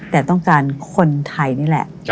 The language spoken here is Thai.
แต่ต้องการคนไทยนี่แหละ